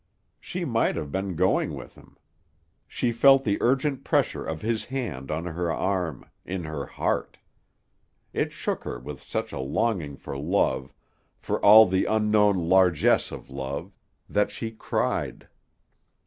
She might have been going with him. She felt the urgent pressure of his hand on her arm, in her heart. It shook her with such a longing for love, for all the unknown largesse of love, that she cried.